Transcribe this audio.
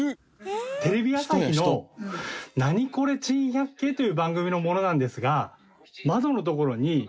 テレビ朝日の『ナニコレ珍百景』という番組の者なんですが窓のところに。